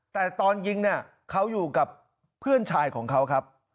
แต่ตอนยิงเนี่ยเขาอยู่กับเพื่อนชายของเขาครับ